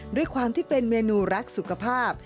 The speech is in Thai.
ด้วยความที่เป็นเมนูรักสุขภาพ